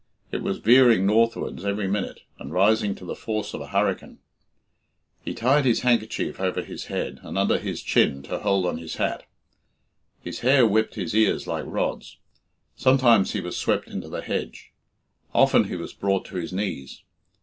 It was veering northwards every minute, and rising to the force of a hurricane. He tied his handkerchief over his head and under his chin to hold on his hat. His hair whipped his ears like rods. Sometimes he was swept into the hedge; often he was brought to his knees.